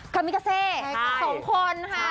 กามิกาเซสองคน